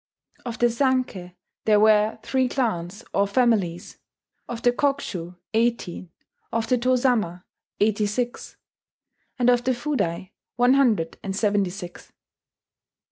Of the Sanke, there were three clans, or families: of the Kokushu, eighteen; of the Tozama, eighty six; and of the Fudai, one hundred and seventy six.